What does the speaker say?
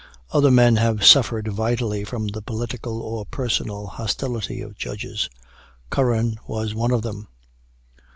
Other men have suffered vitally from the political or personal hostility of judges Curran was one of them.